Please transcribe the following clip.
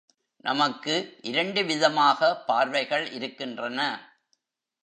நமக்கு இரண்டு விதமாக பார்வைகள் இருக்கின்றன.